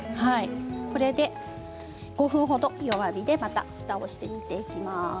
これで５分ほど弱火でふたをして煮ていきます。